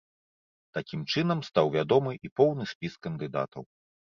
Такім чынам стаў вядомы і поўны спіс кандыдатаў.